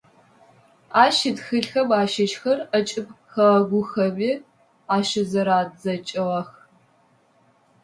Ащ итхылъхэм ащыщхэр ӏэкӏыб хэгъэгухэми ащызэрадзэкӏыгъэх.